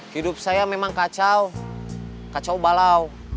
hidup saya memang kacau kacau balau